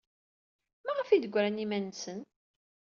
Maɣef ay d-ggaren iman-nsen?